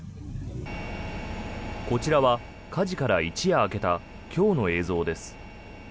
こちらは火事から一夜明けた今日の映像です。